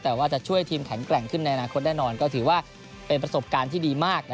แต่ว่าจะช่วยทีมแข็งแกร่งขึ้นในอนาคตแน่นอนก็ถือว่าเป็นประสบการณ์ที่ดีมาก